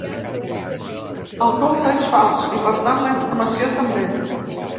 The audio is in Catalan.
El compte és fals i, per tant, la informació també.